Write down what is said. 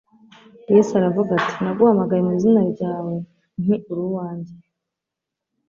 Yesu aravuga ati: «Naguhamagaye mu izina ryawe nti: uri uwanjye.»